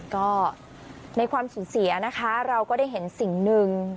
ก็ในความสูญเสียนะคะเราก็ได้เห็นสิ่งหนึ่ง